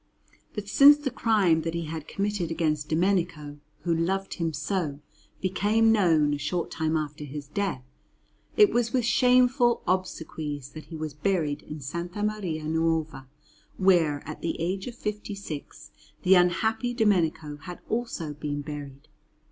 But since the crime that he had committed against Domenico, who loved him so, became known a short time after his death, it was with shameful obsequies that he was buried in S. Maria Nuova, where, at the age of fifty six, the unhappy Domenico had also been buried.